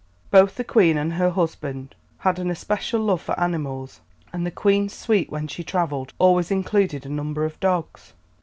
Both the Queen and her husband had an especial love for animals, and the Queen's suite, when she travelled, always included a number of dogs.